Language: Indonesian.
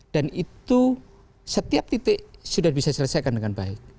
dan itu setiap titik sudah bisa selesaikan dengan baik